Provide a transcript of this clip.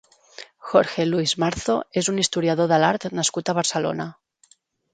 Jorge Luis Marzo és un historiador de l'art nascut a Barcelona.